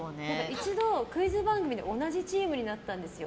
一度、クイズ番組で同じチームになったんですよ。